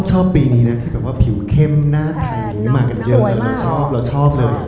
ชอบปีนี้นะผิวเข้มหน้าใดหนักเยอะเราชอบ